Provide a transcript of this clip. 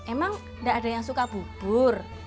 emang nggak ada yang suka bubur